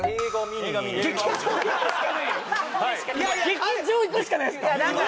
劇場行くしかないんですか？